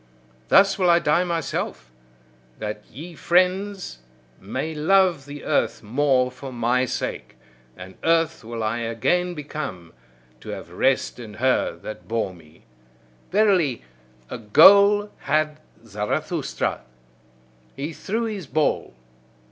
Thus will I die myself, that ye friends may love the earth more for my sake; and earth will I again become, to have rest in her that bore me. Verily, a goal had Zarathustra; he threw his ball.